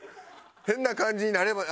変な感じになれば。